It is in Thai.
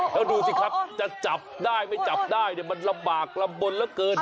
แล้วดูซิครับจะจับได้ไม่จับได้มันละบากละบนละเกิน